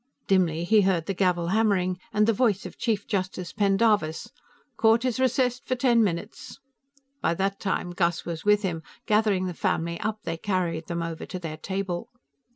Dimly he heard the gavel hammering, and the voice of Chief Justice Pendarvis: "Court is recessed for ten minutes!" By that time, Gus was with him; gathering the family up, they carried them over to their table.